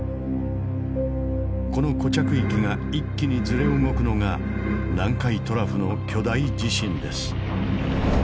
この固着域が一気にずれ動くのが南海トラフの巨大地震です。